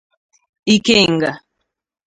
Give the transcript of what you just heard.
Ikenga